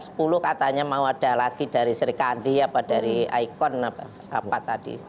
sepuluh katanya mau ada lagi dari sri kandi apa dari ikon apa tadi